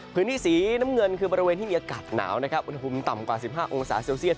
พื้นที่สีน้ำเงินคือบริเวณที่มีอากาศหนาวนะครับอุณหภูมิต่ำกว่า๑๕องศาเซลเซียต